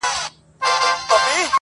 • تا خو کړئ زموږ د مړو سپکاوی دی,